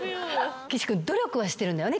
岸君努力はしてるんだよね